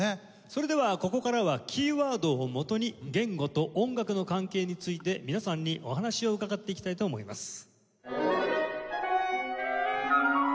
それではここからはキーワードをもとに言語と音楽の関係について皆さんにお話を伺っていきたいと思います。